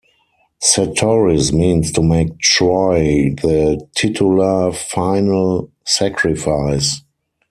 Satoris means to make Troy the titular final sacrifice.